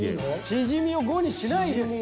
シジミを５にしないですって。